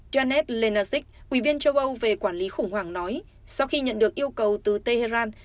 janet lenasik ủy viên châu âu về quản lý khủng hoảng nói sau khi nhận được yêu cầu từ tehran